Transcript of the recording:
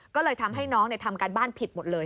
ก็เลยทำให้น้องทำการบ้านผิดหมดเลย